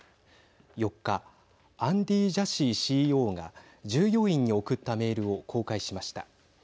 ４日アンディー・ジャシーＣＥＯが従業員に送ったメールを公開しました。